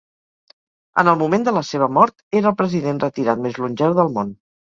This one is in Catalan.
En el moment de la seva mort era el president retirat més longeu del món.